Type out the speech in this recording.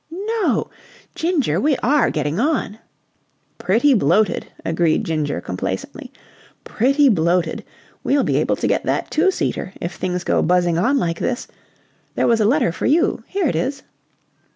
"No! Ginger, we are getting on!" "Pretty bloated," agreed Ginger complacently. "Pretty bloated. We'll be able to get that two seater if things go buzzing on like this. There was a letter for you. Here it is."